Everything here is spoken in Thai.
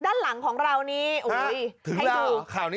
ด้านหลังของเรานี้โหยถึงแล้วหรือ